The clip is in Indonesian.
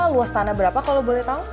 luas tanah berapa kalau boleh tahu